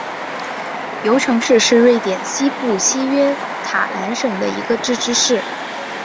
尤城市是瑞典西部西约塔兰省的一个自治市。